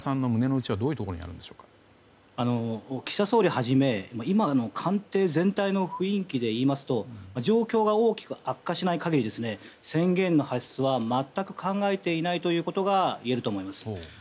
総理をはじめ官邸全体の雰囲気でいいますと状況が大きく悪化しない限り宣言の発出は全く考えていないということがいえると思います。